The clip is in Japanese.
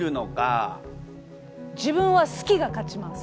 自分は好きが勝ちます。